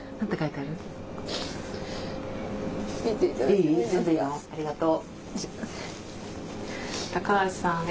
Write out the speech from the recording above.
ありがとう。